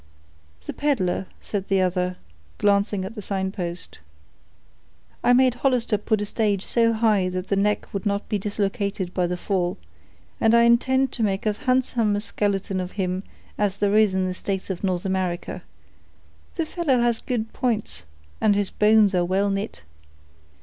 "The peddler," said the other, glancing a look at the signpost. "I made Hollister put a stage so high that the neck would not be dislocated by the fall, and I intend making as handsome a skeleton of him as there is in the states of North America; the fellow has good points, and his bones are well knit.